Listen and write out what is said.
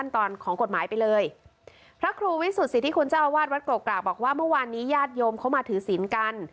ที่สุดสิที่คุณเจ้าอาวาสวัดโกกรากบอกว่าเมื่อวานนี้ญาติโยมเขามาถือศีลกัน